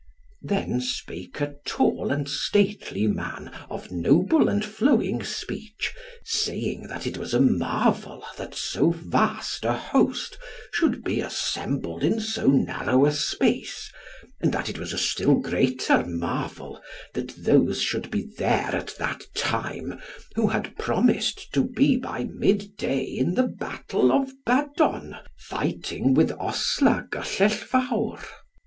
Then spake a tall and stately man, of noble and flowing speech, saying that it was a marvel that so vast a host should be assembled in so narrow a space, and that it was a still greater marvel that those should be there at that time who had promised to be by mid day in the battle of Badon, fighting with Osla Gyllellvawr.